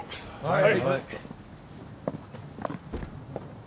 はい。